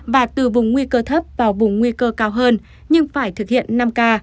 và từ vùng nguy cơ thấp vào vùng nguy cơ cao hơn nhưng phải thực hiện năm k